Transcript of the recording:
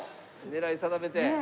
狙い定めて。